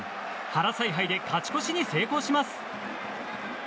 原采配で勝ち越しに成功します。